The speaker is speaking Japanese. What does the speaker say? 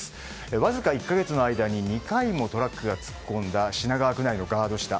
わずか１か月の間に２回もトラックが突っ込んだ品川区内のガードした。